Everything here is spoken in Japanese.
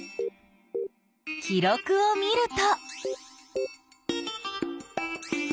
記録を見ると。